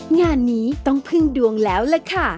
งานนี้ต้องพึ่งดวงแล้วล่ะค่ะ